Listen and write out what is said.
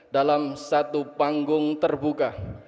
dalam satu panggung terbuka